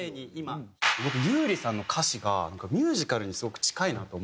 僕優里さんの歌詞がミュージカルにすごく近いなと思ってて。